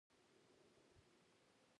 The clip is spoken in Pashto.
ګوره نن دې که راته دروغ وويل بيا دې خير نشته!